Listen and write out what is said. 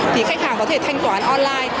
thì khách hàng có thể thanh toán online